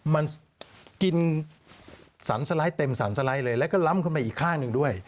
มันกินสรรสไลด์เต็มสรรสไลด์เลยแล้วก็ล้ำเข้าไปอีกข้างหนึ่งด้วย